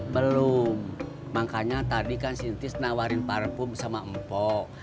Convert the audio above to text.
belum makanya tadi kan si tis nawarin parfum sama empok